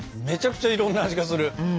めちゃくちゃいろんな味がする。